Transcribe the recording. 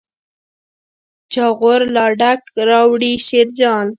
جاغور لا ډک راوړي شیرجان.